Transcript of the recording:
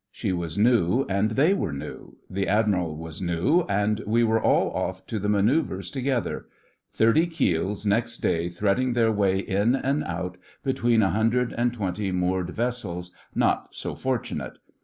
She was new, they were new, the Admiral was new, and we were all off to the Manœuvres together—thirty keels next day threading their way in and out between a hundred and twenty moored vessels not so fortunate.